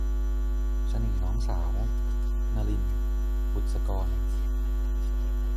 เสน่ห์น้องสาว - นลิน บุษกร